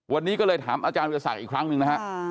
วันนี้ก็เลยถามอาจารย์วิทยาศักดิ์อีกครั้งหนึ่งนะฮะ